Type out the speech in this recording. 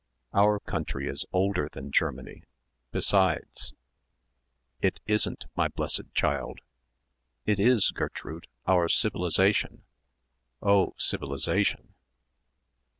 "Our country is older than Germany, besides " "It isn't, my blessed child." "It is, Gertrude our civilisation." "Oh, civilisation."